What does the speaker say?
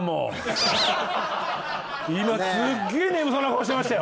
今すげぇ眠そうな顔してましたよ。